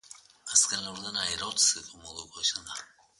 Azken laurdena erotzeko modukoa izan da.